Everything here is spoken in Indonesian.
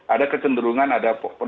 ada kecenderungan ada pendapatan